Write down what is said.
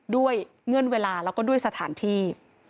เงื่อนเวลาแล้วก็ด้วยสถานที่